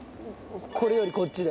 これよりこっちで。